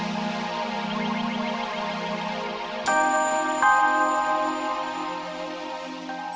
kembali ke uangku uangku mas uang saya mana